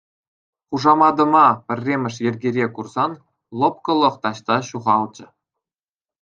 Хушаматӑма пӗрремӗш йӗркере курсан лӑпкӑлӑх таҫта ҫухалчӗ.